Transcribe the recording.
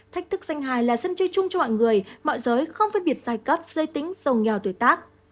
thách thức danh hài là sân chơi chung cho mọi người mọi giới không phân biệt giai cấp giới tính giàu nghèo tuổi tác